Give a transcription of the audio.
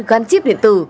gắn chip điện tử